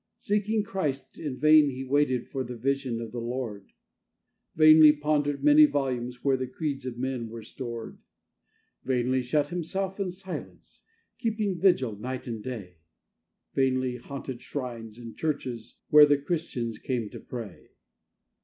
Seeking Christ, in vain he waited for the vision of the Lord; Vainly pondered many volumes where the creeds of men were stored; Vainly shut himself in silence, keeping vigil night and day; Vainly haunted shrines and churches where the Christians came to pray.